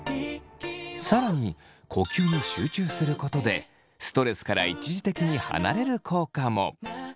更に呼吸に集中することでストレスから一時的に離れる効果も。